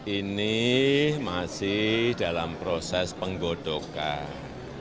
ini masih dalam proses penggodokan